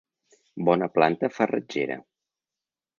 Bona planta farratgera.